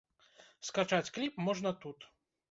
Скачаць кліп можна тут.